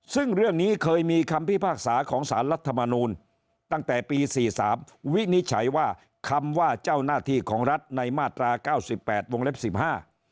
ซึ่งเรื่องนี้เคยมีคำพิพากษาของสารรัฐมนูลตั้งแต่ปีสี่สามวินิจฉัยว่าคำว่าเจ้าหน้าที่ของรัฐในมาตราเก้าสิบแปดวงเล็บสิบห้า